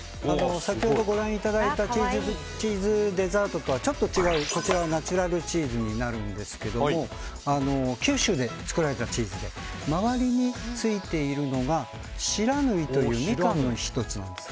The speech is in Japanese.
先ほどご覧いただいたチーズデザートとはちょっと違う、こちらはナチュラルチーズになるんですけど九州で作られたチーズで周りについているのが不知火というミカンの１つなんです。